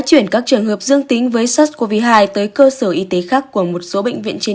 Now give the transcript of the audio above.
chuyển các trường hợp dương tính với sars cov hai tới cơ sở y tế khác của một số bệnh viện trên